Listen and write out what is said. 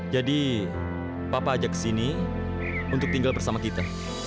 jadi papa ajak ke sini untuk tinggal bersama kita